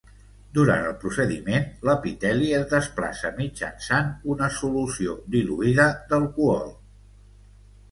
Durant el procediment, l'epiteli es desplaça mitjançant una solució diluïda d'alcohol.